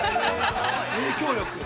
影響力。